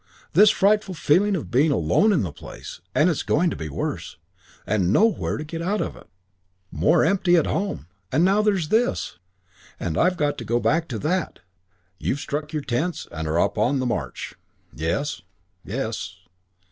This frightful feeling of being alone in the place. And it's going to be worse. And nowhere to get out of it. More empty at home.... And now there's this. And I've got to go back to that.... 'You have struck your tents and are upon the march' ... Yes. Yes...."